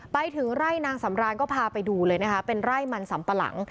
ไปถึงไร่นางสำรานก็พาไปดูเลยนะคะเป็นไร่มันสำปะหลัง